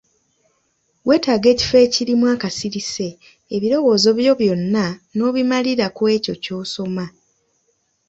Weetaaga ekifo ekirimu akasirise, ebirowoozo byo byonna n'obimalira kw'ekyo ky'osoma.